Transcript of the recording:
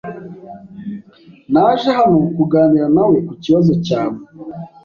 Naje hano kuganira nawe kukibazo cyawe.